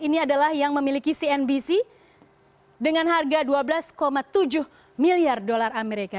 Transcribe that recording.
ini adalah yang memiliki cnbc dengan harga dua belas tujuh miliar dolar amerika